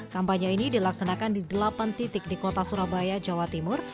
kampanye ini dilaksanakan di delapan titik di kota surabaya jawa timur